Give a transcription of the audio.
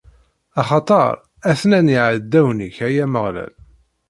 Axaṭer, atnan yeɛdawen-ik, ay Ameɣlal.